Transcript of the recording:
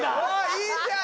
いいじゃん！